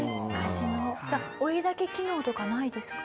じゃあ追い焚き機能とかないですか？